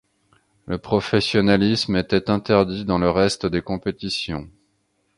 Le professionnalisme était interdit dans le reste des compétitions.